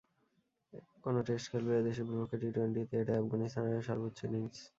কোনো টেস্ট খেলুড়ে দেশের বিপক্ষে টি-টোয়েন্টিতে এটাই আফগানিস্তানের হয়ে সর্বোচ্চ ইনিংস।